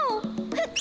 ふっ！